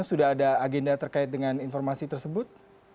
sudah ada agenda terkait dengan informasi tersebut